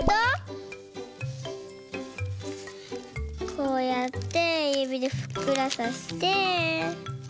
こうやってゆびでふっくらさせて。